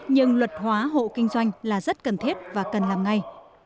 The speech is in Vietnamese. nhưng luật hóa hộ kinh doanh là rất cần thiết và cần làm ngay